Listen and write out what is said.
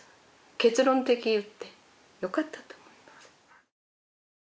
結論的言ってよかったと思います